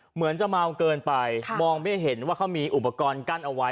เหมือนจะเมาเกินไปมองไม่เห็นว่าเขามีอุปกรณ์กั้นเอาไว้